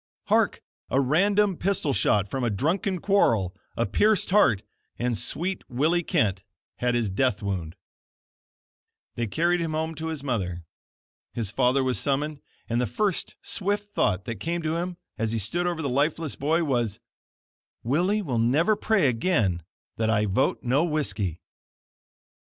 Hark! a random pistol shot from a drunken quarrel, a pierced heart, and sweet Willie Kent had his death wound They carried him home to his mother. His father was summoned, and the first swift thought that came to him, as he stood over the lifeless boy, was: "Willie will never pray again that I vote No Whiskey."